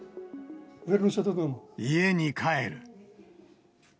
家に帰る。